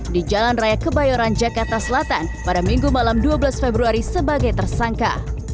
di jalan raya kebayoran jakarta selatan pada minggu malam dua belas februari sebagai tersangka